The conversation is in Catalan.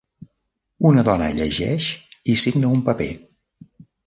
Una dona llegeix i signa un paper.